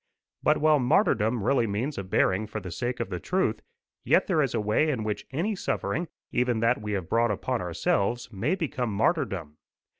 But while martyrdom really means a bearing for the sake of the truth, yet there is a way in which any suffering, even that we have brought upon ourselves, may become martyrdom.